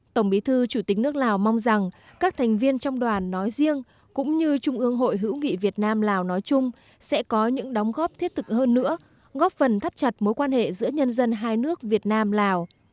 tổng bí thư chủ tịch nước lào mong rằng các thành viên trong đoàn nói riêng cũng như trung ương hội hữu nghị việt nam lào nói chung sẽ có những đóng góp thiết thực hơn nữa góp phần thắt chặt mối quan hệ giữa nhân dân hai nước việt nam lào